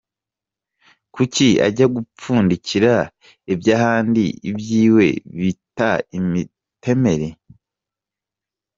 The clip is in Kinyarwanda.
Kuki ajya gupfundikira iby’ahandi iby’iwe bita imitemeri?